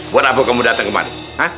buat apa kamu datang kemarin